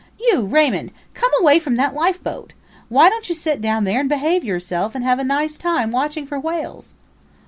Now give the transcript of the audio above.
... "You Raymund, come away from that lifeboat. Why don't you sit down there and behave yourself and have a nice time watching for whales?"